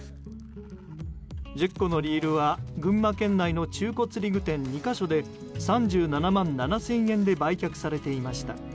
１０個のリールは群馬県内の中古釣具店２か所で３７万７０００円で売却されていました。